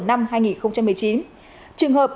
năm hai nghìn một mươi chín trường hợp